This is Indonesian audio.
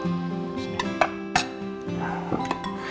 ini gue juga ti